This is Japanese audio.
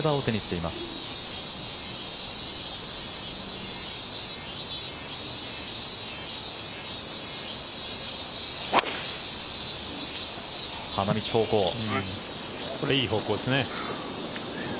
いい方向ですね。